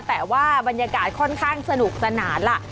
แต่ว่าบรรยากาศค่อนข้างสนุกสนานล่ะ